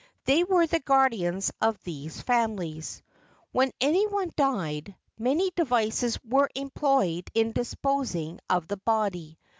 They were the guardians of these families. When any one died, many devices were employed in dispos¬ ing of the body.